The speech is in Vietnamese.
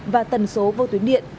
và tần số vô tuyến điện